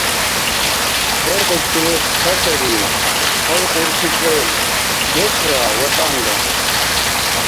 Варкьибси неш ца сари, айкьурти кӀел: нешра ВатӀанра.